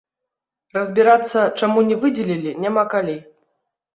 Разбірацца, чаму не выдзелілі, няма калі.